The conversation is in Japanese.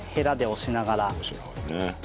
押しながらね。